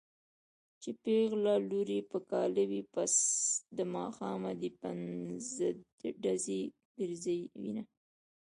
چې پېغله لور يې په کاله وي پس د ماښامه دې پنځډزی ګرځوينه